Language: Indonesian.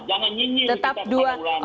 jangan nyinyir kita kepada ulama